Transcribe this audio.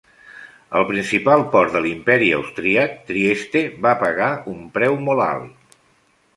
El principal port de l'Imperi Austríac, Trieste, va pagar un preu molt alt.